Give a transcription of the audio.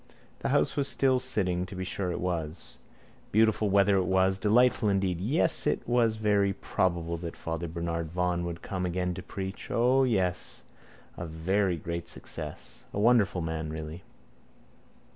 The house was still sitting, to be sure it was. Beautiful weather it was, delightful indeed. Yes, it was very probable that Father Bernard Vaughan would come again to preach. O, yes: a very great success. A wonderful man really.